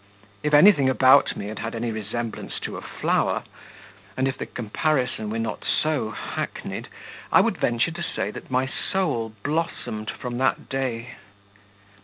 If anything about me had had any resemblance to a flower, and if the comparison were not so hackneyed, I would venture to say that my soul blossomed from that day.